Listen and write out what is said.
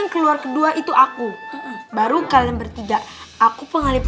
masih sudah bara beberapa tahap